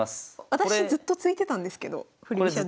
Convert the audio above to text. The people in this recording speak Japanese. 私ずっと突いてたんですけど振り飛車で。